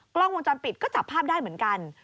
กล้องวงจรปิดก็จับภาพได้เหมือนกัน